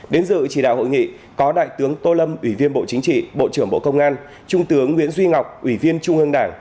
đến dự chỉ đạo hội nghị có đại tướng tô lâm ủy viên bộ chính trị bộ trưởng bộ công an trung tướng nguyễn duy ngọc ủy viên trung ương đảng